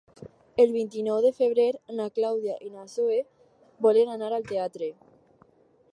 El vint-i-nou de febrer na Clàudia i na Zoè volen anar al teatre.